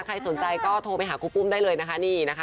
ใครสนใจก็โทรไปหาครูปุ้มได้เลยนะคะ